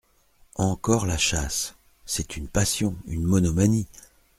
Encore la chasse ! c’est une passion, une monomanie !…